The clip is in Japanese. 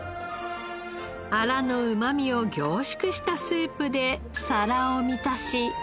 アラのうまみを凝縮したスープで皿を満たし。